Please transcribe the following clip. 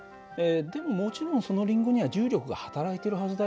でももちろんそのりんごには重力がはたらいてるはずだよね。